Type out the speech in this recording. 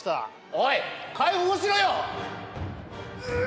おい、解放しろよ！